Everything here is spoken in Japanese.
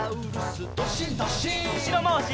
うしろまわし。